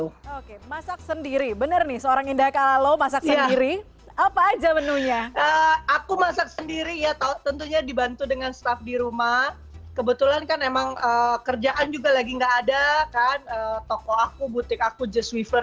hai kebetulan kan emang kerjaan juga lagi enggak ada aku masak sendiri tentunya dibantu dengan staff di rumah kebetulan kan emang kerjaan juga lagi nggak ada kan toko atau teman teman juga emangurally they're doing no cooking some day cooking almost have to come only for you guys